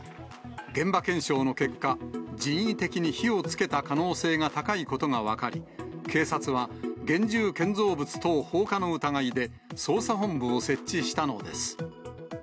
現場検証の結果、人為的に火をつけた可能性が高いことが分かり、警察は、現住建造物等放火の疑いで、捜査本部を設置したのです。